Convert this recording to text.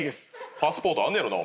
パスポートあんねやろな？